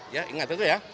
ya ingat itu ya